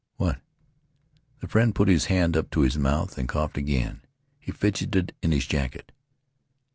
"What?" The friend put his hand up to his mouth and coughed again. He fidgeted in his jacket.